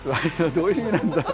どういう意味なんだろ？